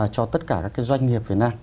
cho tất cả các doanh nghiệp việt nam